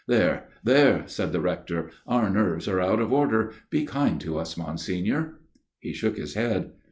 " There, there," said the Rector, " our nerves are out of order ; be kind to us, Monsignor." He shook his head.